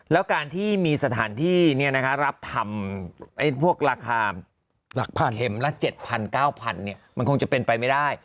แล้วการที่มีสถานที่รับทำพวกราคาหลักพันเข็มละ๗๐๐๙๐๐มันคงจะเป็นไปไม่ได้